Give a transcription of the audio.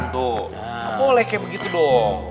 tuh boleh kayak begitu dong